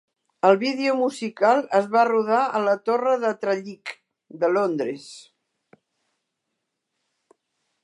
El vídeo musical es va rodar a la Torre de Trellick de Londres.